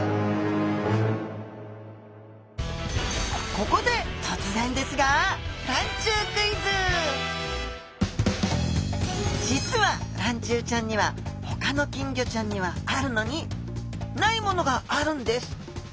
ここで突然ですが実はらんちゅうちゃんにはほかの金魚ちゃんにはあるのにないものがあるんです。